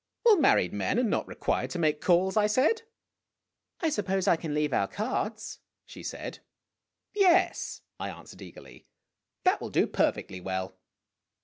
"Well, married men are not required to make calls," I said. " I suppose I can leave our cards," she said. "Yes," I answered / eagerly, " that will do perfectly well."